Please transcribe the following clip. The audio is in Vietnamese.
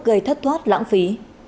gây thất thoát lãng phí